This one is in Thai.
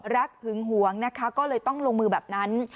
หึงหวงนะคะก็เลยต้องลงมือแบบนั้น